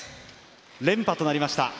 連覇となりました。